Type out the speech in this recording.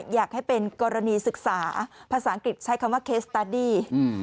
อยากให้เป็นกรณีศึกษาภาษาอังกฤษใช้คำว่าเคสตาร์ดี้